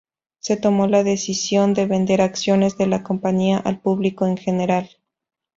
Se tomó la decisión de vender acciones de la compañía al público en general.